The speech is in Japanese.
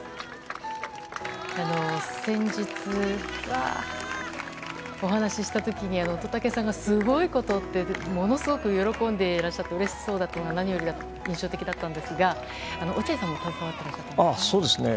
先日、お話しした時に乙武さんがすごいことってものすごく喜んでいらっしゃってうれしそうだったのが何より印象的だったんですが落合さんも携わっていらっしゃったんですよね。